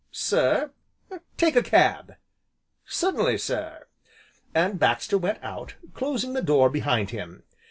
"Sir?" "Take a cab!" "Certainly sir." And Baxter went out, closing the door behind him.